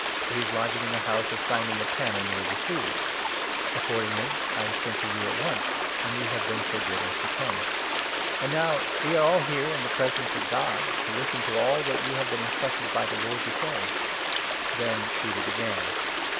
He is lodging in the house of Simon the tanner, near the sea.' Accordingly I sent to you at once, and you have been so good 33 as to come. And now we are all here in the presence of God, to listen to all that you have been instructed by the Lord to say." Then Peter began.